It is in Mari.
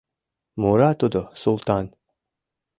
Мура тудо, Султан.